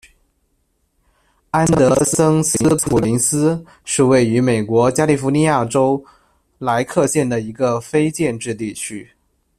安德森斯普林斯是位于美国加利福尼亚州莱克县的一个非建制地区。